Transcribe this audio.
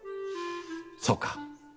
そうか。